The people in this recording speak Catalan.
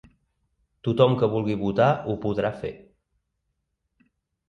Tothom que vulgui votar ho podrà fer.